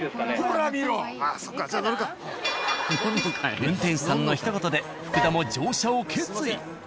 運転手さんのひと言で福田も乗車を決意。